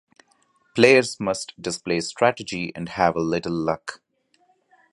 Players must display strategy and have a little luck.